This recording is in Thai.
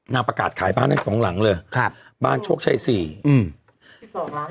ประกาศขายบ้านทั้งสองหลังเลยครับบ้านโชคชัยสี่อืม